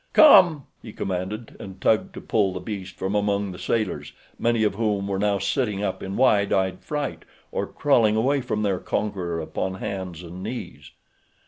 "Come!" he commanded, and tugged to pull the beast from among the sailors, many of whom were now sitting up in wide eyed fright or crawling away from their conqueror upon hands and knees.